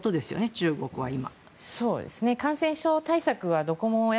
中国は今。